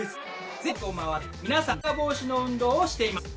全国を回って皆さんと老化防止の運動をしています。